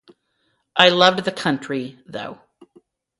I loved the country, though.